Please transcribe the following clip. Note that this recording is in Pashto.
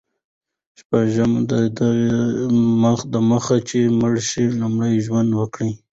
شپږم: ددې دمخه چي مړ سې، لومړی ژوند وکړه.